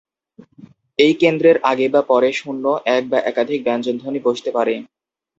এই কেন্দ্রের আগে বা পরে শূন্য, এক বা একাধিক ব্যঞ্জনধ্বনি বসতে পারে।